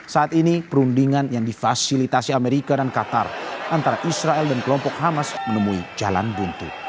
saat ini perundingan yang difasilitasi amerika dan qatar antara israel dan kelompok hamas menemui jalan buntu